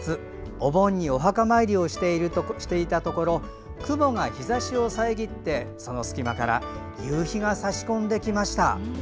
お盆にお墓参りをしていたところ雲が日ざしを遮ってその隙間から夕日が差し込んできました。